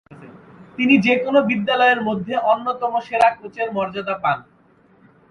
তিনি যে-কোন বিদ্যালয়ের মধ্যে অন্যতম সেরা কোচের মর্যাদা পান।